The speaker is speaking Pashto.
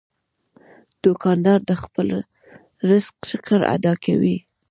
دوکاندار د خپل رزق شکر ادا کوي.